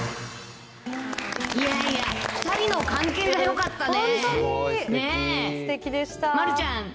いやいや、２人の関係がよかったね。